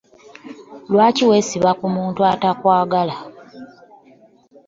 Lwaki wesiba ku muntu atakwagala?